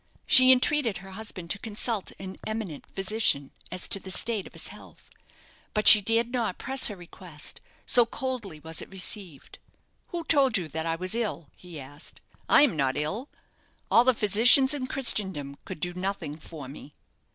She entreated her husband to consult an eminent physician as to the state of his health; but she dared not press her request, so coldly was it received. "Who told you that I was ill?" he asked; "I am not ill. All the physicians in Christendom could do nothing for me."